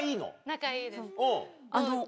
仲いいです。